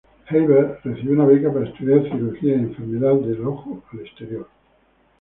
Heiberg recibió una beca para estudiar cirugía y enfermedades del ojo al exterior.